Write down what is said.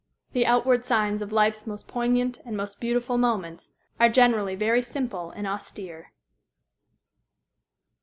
The outward signs of life's most poignant and most beautiful moments are generally very simple and austere.